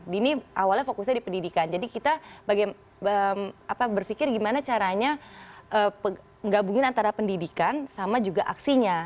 dini awalnya fokusnya di pendidikan jadi kita berpikir gimana caranya gabungin antara pendidikan sama juga aksinya